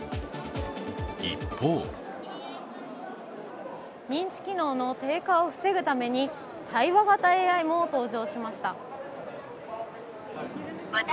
一方認知機能の低下を防ぐために対話型ＡＩも登場しました。